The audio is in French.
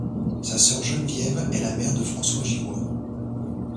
Sa sœur Geneviève est la mère de François Givois.